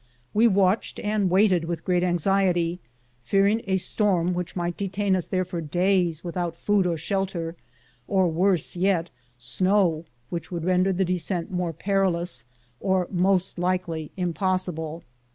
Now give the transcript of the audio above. We watched and waited with great anxiety, fearing a storm which might detain us there for days without food or shelter, or, worse yet, snow, which would render the descent more perilous, or most likely impossible.